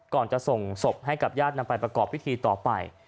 ก่อนจะส่งศพให้กับญาตินำไปประกอบพิธีต่อไป